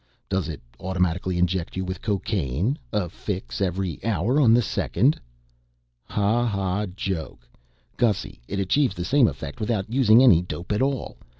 "Does it automatically inject you with cocaine? A fix every hour on the second?" "Ha ha, joke. Gussy, it achieves the same effect without using any dope at all.